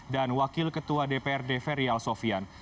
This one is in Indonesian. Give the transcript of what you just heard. dan wakil ketua dprd feryal sofian